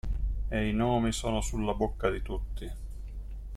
E i nomi sono sulla bocca di tutti.